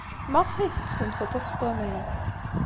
Maɣef ay tettessemt aṭas n waman?